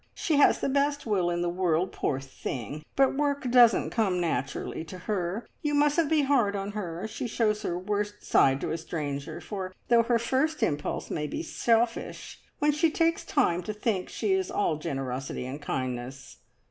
She has the best will in the world, poor thing; but work doesn't come naturally to her. You mustn't be hard on her. She shows her worst side to a stranger, for, though her first impulse may be selfish, when she takes time to think, she is all generosity and kindness.